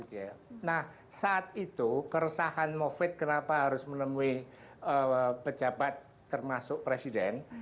dan saat itu keresahan movid kenapa harus menemui pejabat termasuk presiden